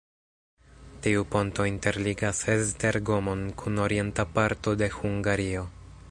Tiu ponto interligas Esztergom-on kun orienta parto de Hungario.